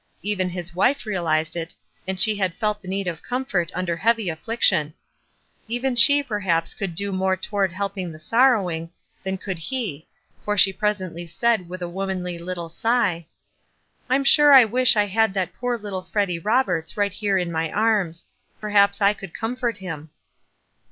Even his wife realized it, and she had felt the need of comfort under heavy affliction. Even she perhaps could do more toward » elpiug the sorrowing than WISE AND OTHERWISE. 281 could he, for she presently said with a womanly little sigh, —" I'm sure I wish I had that poor little Freddy Roberts right here in my arms ; perhaps I could comfort him."